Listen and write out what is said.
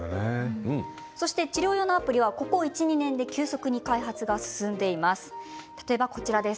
治療用のアプリは、ここ１、２年で急速に開発が進んでいます。